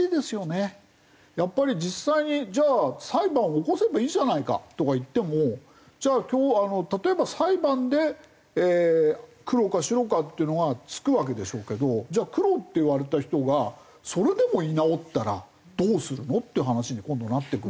やっぱり実際に「じゃあ裁判起こせばいいじゃないか」とか言ってもじゃあ例えば裁判で黒か白かっていうのがつくわけでしょうけどじゃあ黒って言われた人がそれでも居直ったらどうするの？っていう話に今度なってくるし。